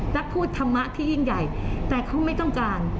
และพูดธรรมะที่ยิ่งใหญ่แต่เขาไม่ต้องการ